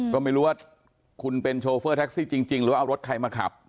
ก็ไม่รู้ว่าคุณเป็นโชเฟอร์แท็กซี่จริงหรือว่าเอารถใครมาขับ